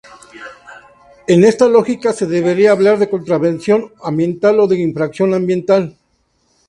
En este lógica, se debería hablar de contravención ambiental o de infracción ambiental.